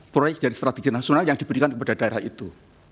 proyek jadi strategi nasional yang diberikan kepada daerah itu